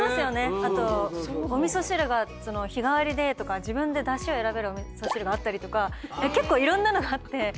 あとお味噌汁が日替わりでとか自分でだしを選べるお味噌汁があったりとか結構いろんなのがあってすごい。